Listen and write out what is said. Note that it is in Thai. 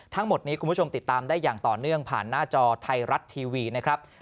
ทั้งหมดนี้คุณผู้ชมติดตามได้อย่างต่อเนื่องผ่านหน้าจอไทยรัฐทีวีนะครับ